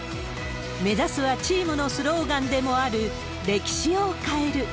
目指すは、チームのスローガンでもある、歴史を変える。